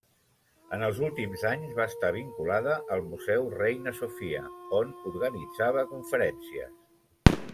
En els últims anys va estar vinculada al Museu Reina Sofia, on organitzava conferències.